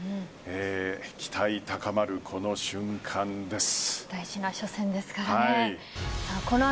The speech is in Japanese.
期待高まる、この瞬間です。